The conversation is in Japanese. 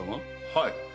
はい。